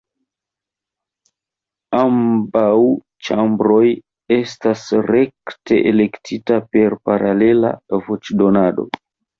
Ambaŭ ĉambroj estas rekte elektita per paralela voĉdonado.